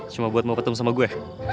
cuma buat mau petem sama gue